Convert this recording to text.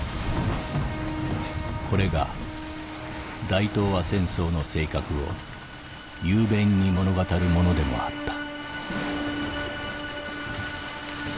「これが大東亜戦争の性格を雄弁に物語るものでもあった」。